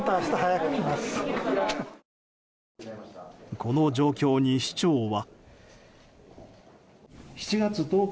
この状況に市長は。